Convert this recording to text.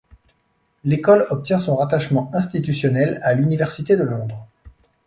L'école obtient son rattachement institutionnel à l'Université de Londres.